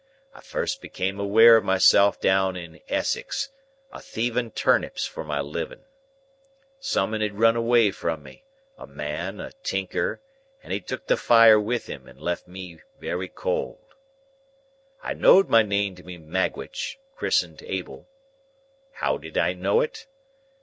I first become aware of myself down in Essex, a thieving turnips for my living. Summun had run away from me—a man—a tinker—and he'd took the fire with him, and left me wery cold. "I know'd my name to be Magwitch, chrisen'd Abel. How did I know it?